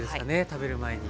食べる前に。